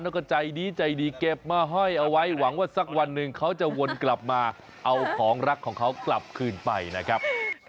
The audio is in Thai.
แล้วก็ใจดีเก็บมายิงไว้หวังว่าสักวันนึงเขาจะวนมาเอาของรักของเขากลับคืนไปนะครับ